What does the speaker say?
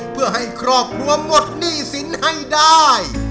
เพื่อให้ครอบครัวหมดหนี้สินให้ได้